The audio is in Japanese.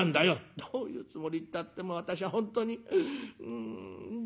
「どういうつもりったって私は本当にうんじれったい！」。